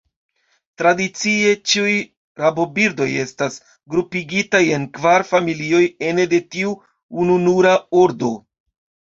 Tradicie ĉiuj rabobirdoj estas grupigitaj en kvar familioj ene de tiu ununura ordo.